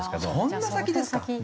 そんな先ですか？